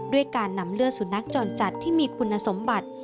ด้วยการนำเลือดสุนัขจรจัดที่มีคุณสมบัติ